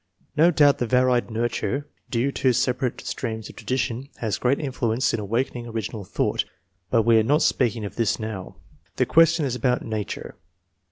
No doubt the varied "nurture" duo to separate streams of tradition has great influence in awakening original thought, but we are not speaking of this now; the ques tion is about "nature."